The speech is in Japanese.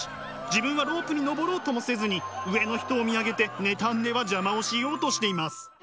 自分はロープに登ろうともせずに上の人を見上げて妬んでは邪魔をしようとしています。